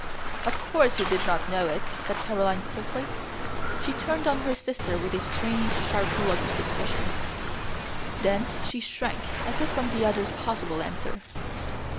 "Of course he did not know it," said Caroline quickly. She turned on her sister with a strange, sharp look of suspicion. Then she shrank as if from the other's possible answer.